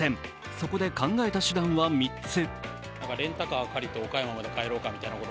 そこで考えた手段は３つ。